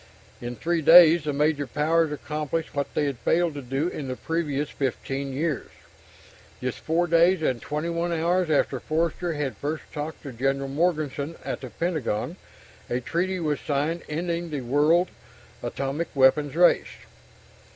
In three days, the major powers accomplished what they had failed to do in the previous 15 years. Just 4 days and 21 hours after Forster had first talked to General Morganson at the Pentagon, a treaty was signed ending the world atomic weapons race.